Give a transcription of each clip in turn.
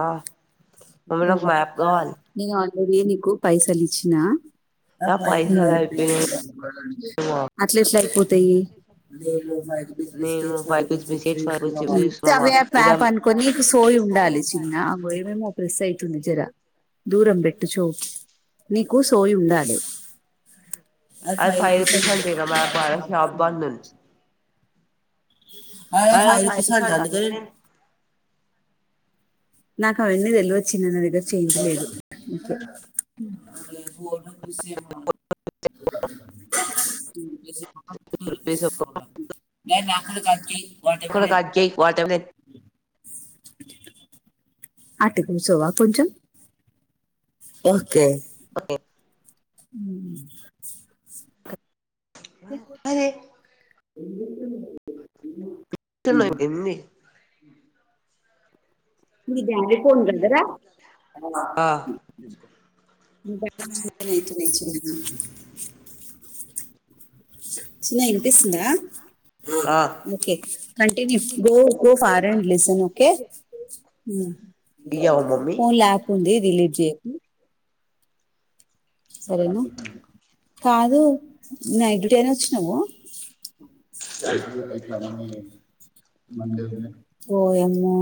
ఆ మమ్మీ నాకు మ్యాప్ కావాలి నేను ఆల్రెడీ మీకు పైసలి చినా నా పైసలు అయిపోయినాయి మా అట్లెట్ల అయిపోతాయి. మ్ నేను five rupees biscuit five rupees chips తీసుకున్నామా అవే ఇడ ప్యాప్ అనుకొని సోయ్ ఉండాలి చిన్న ఆ బొయ్ బేమొ పులుసు అయితుంది జరా దూరంబెట్టుచో నీకు సోయి ఉండాలి. అది ఫైవ్ రూపీస్ [unintelligible] షాప్ బంద్ ఉం అ సాయి ఫైవ్ రూపీస్ అంట రప్పసంటంది కే అందుకే నాకు అవన్ని తెల్వ చిన్నదిగ చేంజ్ లేదు అంతే [unintelligible] మ్ నేను [unintelligible] ఆ [unintelligible] అటుకూసోవా కొంచెం ఓకే ఒకే ఉమ్ అరే [unintelligible] తున్నాయి ఎన్ని మీ డెడీ ఫోన్ కదరా? ఆ [unintelligible] తున్నాయ్ చిన్నా చిన్నా వినిపిస్తుందా? ఆ okay continue go go far and listen okay మ్ ఇయ్యవా మమ్మీ ఫోన్లొ యాప్ ఉంది డిలీట్ చేయకు సరేనా కాదు నైట్ డూటి అని వచ్చినావ [unintelligible] మందిరమె ఓయమ్మో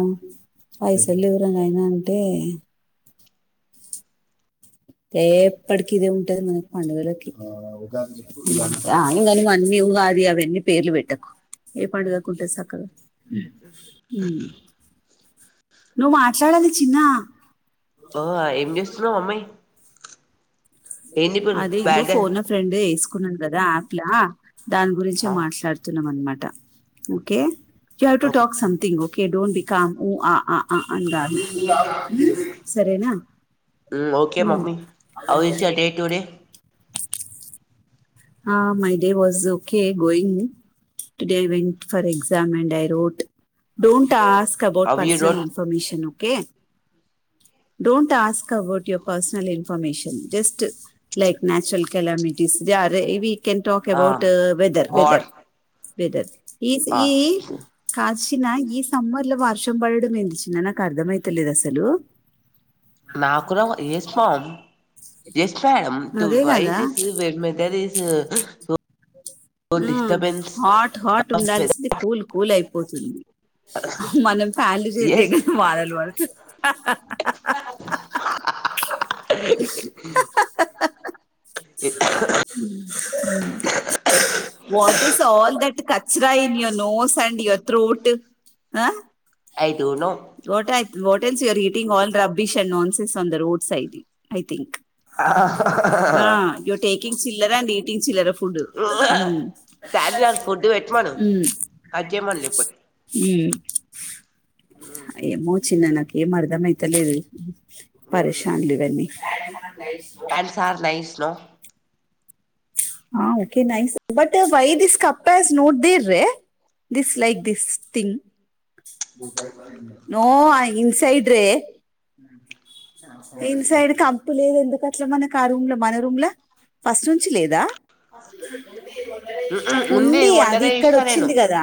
పైసల్లేవురా నాయనా అంటే ఎప్పటికి ఇదే ఉంటది మనకి పండుగలకి ఆ ఇంగ నువన్నీ ఉగాది అవన్నీ పేర్లు పెట్టకు ఏ పండుగకుంటది సక్కగా నువ్ మాట్లాడాలి చిన్నా ఓహొ ఏం చేస్తున్నావు అమ్మయ్ అదే ఇబు బ్యాడ్ డ్యాన్స్ ఫోన్ ఫ్రెండ్ వేసుకున్నాను కదా యాప్ లా దాని గురించే ఆ మాట్లాడుతున్నాం అనమాట okay you have to okay talk something okay don't become ఉ ఆ అ ఆ అని కాదు సరేనా మ్ డేటుడే ఆ, my day was okay going today I went for exam and I wrote don't ask కబోర్ట్ how you personal information okay K don't ask about your personal information just like natural calamities the are we we can talk ఆ about weather weather what weather is ఆ ఈ cause ఇలా ఈ summer లో వర్షం పడడం ఎంది చిన్న నాకు అర్థమయితలేదు అసలు నాకుడా ఏసుకోవాలి ఎస్ మేడం తు అదే వై కదా థిస్ వెేరు మేటర్ ఇస్ ఆ డిస్టర్బెన్స్ హాట్ హాట్ ఉండాల్సింది కూల్ కూల్ అయిపోతుంది మనం ఫ్యాన్లు ఎస్ చేపియక బాధలు పడుతు [unintelligible] ఇ వాట్ ఈస్ ఆల్ దట్ కచరా ఇన్ ఇయ నోస్ అండ్ ఇవత్ త్రూట్ ఆ ఐ డు నో వాటెన్స్ you are eating all rubbish nonsense on the road side I think ఆ యూ టేకింగ్ చిలర్ అండ్ ఈటింగ్ చిల్లర ఫు డాడీ ఫుడ్డు పెట్టమను అది చేయమను చెప్పు అది ఉ ఏమో చిన్న నాకేం అర్థమయితలేదు పరేషాన్లు ఇవన్నీ హ్యాండ్స్ ఆర్ నైస్ నో ఆ okay nice but why this కపటాస్ నోడ్ది రే this like this thing no ఆ ఇన్సైడ్ రే ఇన్సైడ్ కప్ లేదు ఎందుకు అట్ అట్లా మనకి ఆ రూమ్ లో మన రూమ్లా ఫస్ట్ నుంచి లేదా ఉంది అది ఇక్కడ వచ్చింది కదా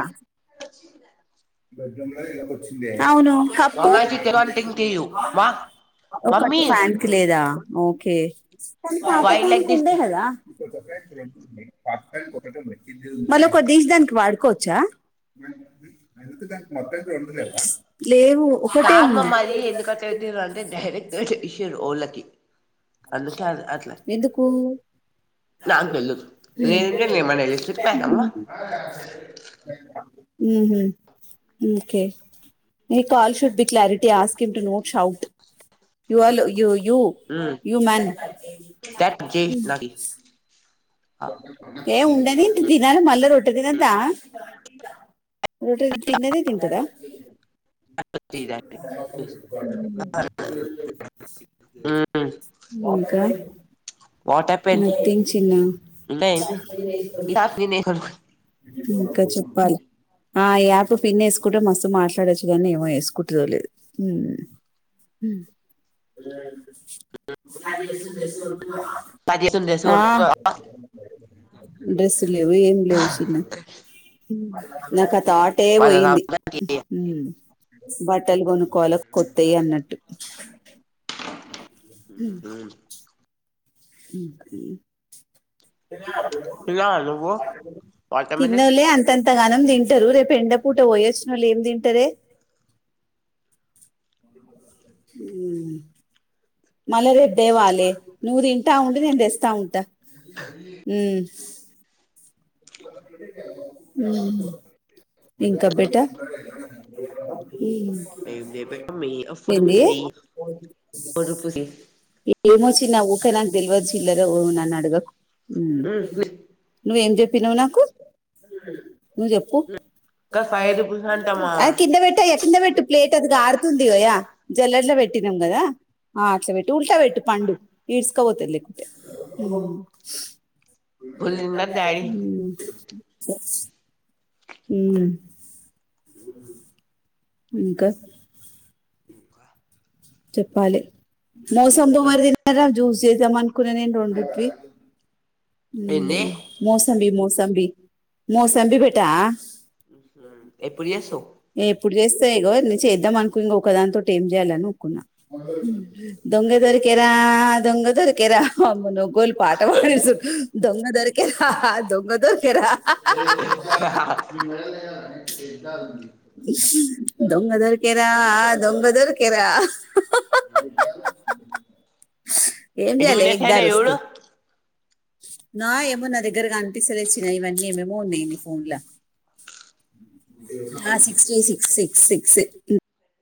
ఆ [unintelligible] అవును కప్పు మా ఒకటి మమ్మీ ఫ్యాన్ కి లేదా ఓ కే పాత వై ఫ్యాన్ లైక్ కి దిస్ ఉండే కదా మళ్ళీ ఒక దీస్ దానికి వాడుకోవచ్చా అయితే దాని మొత్తంగా ఉండలేదా కాదు మామ అది ఎందుక పెతేరుంటే డైరెక్ట్ విష ఉలకి ఎందుకు నాకు తెలీదు ఉ లేదంటే నేను ఉ ఏమన్నా ఎలిసిరిపోయానమ్మా ఉహు ఊకె ఈ call should be clarity asking to no shout you all you you you man that జేష్ నాకి ఏ ఉండని తి తినాలి మళ్ళా రొట్ట తినద్దా రోటిది తిన్నదే తింటదా [unintelligible] ఇంకా వాట్ హ్యాపెండ్ నథింగ్ చిన్నా ఇంకా ఏమి ఇంకా చెప్పాలి ఆ యాప్ పిన్నేసుకుంటే మసము మాట్లాడొచ్చు కానీ ఏమో వేసుకుంటదో లేదు హు [unintelligible] పది చేస్తుంది తెలుసు అక్క డ్రైస్ లేవు ఏం లేవుచ్ నాకు ఆ తాటే పోయింది తిన్నావా ఉ బట్టలు కొను కాలక్ కొత్తయి అన్నట్టు ఉమ్ హు ఆ [inaudible] నువ్వు వాటర్మిలన్ తిన్నలే అంతంత అంతగానం దింటరు రేపు ఎండపూట బోయొచ్చినోళ్ళు ఏం దింటరే ఉమ్ మళ్ళ రేప్ దేవాలే నువ్ దింటా ఉండు నేన్ దెస్తా ఉంటా ఉమ్ ఊ ఇంకాబేటా అ పె అఫడ ఏంది [unintelligible] ఏమో చిన్నా ఊకేనాగ్ దెల్వద్ చిల్లర నన్ను అడగకు ఉమ్ నువ్ ఏం జెప్ తినవ్ నాకు నువ్ జెప్పు ఇంకా ఫైవ్ రూపీస్ అంటమ్మా అ కింద బెట్టయ్య కింద బెట్టు ప్లేట్ అది గారుతుంది వయ్యా జల్లడలో బెట్టు తినమ్ గదా ఆ అట్లా బెట్టు ఉల్టా బెట్టు పండు ఇడ్స్కబోతది లేకుంటే ఉమ్ ఉమ్ ఫుల్ తిన్నాడు డాడీ ఉమ్ హ [inaudible] ఇంకా ఇంకా చెప్పాలే మోసంబి ఎవరు దిన్నర్ రా జ్యూస్ జేదాంమంటే కున నేన్ రెండిట్వి ఉమ్ మోసంబి మోసంబి ఉమ్ మోసంబి బేటా ఉమ్ ఎప్పుడు జేస్తవ్ ఇప్పుడు జేస్త ఈగో చేద్దాం అనుకో ఇగో ఒక దాని తోటి ఏం జేయాలని కున్న ఉమ్ దొంగ దొరికేరా దొంగ దొరికేరా అమ్మో నొగ్గోలు పాట పాడిస్తుర్రు దొంగ దొరికేరా హ హ దొంగ దొరికేరా హ హ హ హ హ హ హ హ ఆ గేట్ కాడ ఉంది దొంగ దొరికేరా దొంగ దొరికేరా హ హ హ హ హ హ హ హ హ ఏం జేయాలే ఇట్లా ఎనిమిదేశాయినయి చూడు [unintelligible] అరుస్తు నా ఏమో నా దగ్గరగా గనిపిస్తలే చిన్న ఇవన్నీ ఏమేమో ఉన్నాయి ఫోన్ ల హ sixty six six six six